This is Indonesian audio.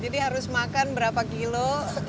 jadi harus makan berapa kilo